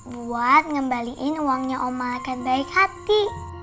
buat ngembalikan uangnya om malaikat baik hati